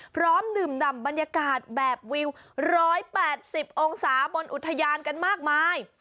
พร้อมดื่มดำบรรยากาศแบบวิว๑๘๐องศาบนอุทยานกันมากมาย